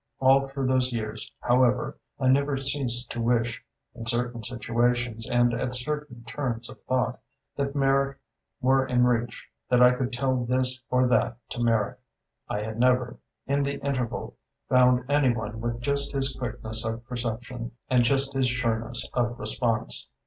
All through those years, however, I never ceased to wish, in certain situations and at certain turns of thought, that Merrick were in reach, that I could tell this or that to Merrick. I had never, in the interval, found any one with just his quickness of perception and just his sureness of response.